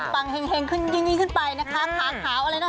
ปังเฮ็งยิ่งขึ้นไปนะคะ